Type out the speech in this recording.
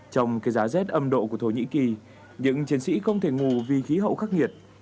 trong cái giá rét âm độ của thổ nhĩ kỳ những chiến sĩ không thể ngủ vì khí hậu khắc nghiệt